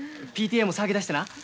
ＰＴＡも騒ぎだしてな。